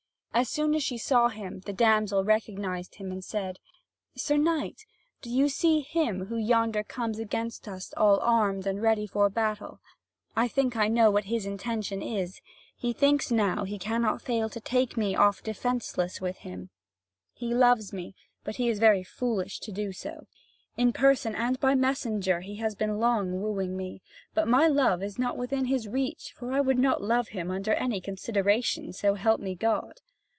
As soon as she saw him, the damsel recognised him, and said: "Sir knight, do you see him who yonder comes against us all armed and ready for a battle? I know what his intention is: he thinks now that he cannot fail to take me off defenceless with him. He loves me, but he is very foolish to do so. In person, and by messenger, he has been long wooing me. But my love is not within his reach, for I would not love him under any consideration, so help me God!